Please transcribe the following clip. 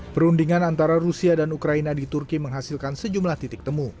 perundingan antara rusia dan ukraina di turki menghasilkan sejumlah titik temu